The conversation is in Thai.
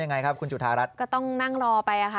ยังไงครับคุณจุธารัฐก็ต้องนั่งรอไปอ่ะค่ะ